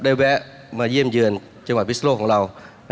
ได้แวะมาเยี่ยมเยือนจังหวัดพิสุทธิ์โลกของเรานะครับ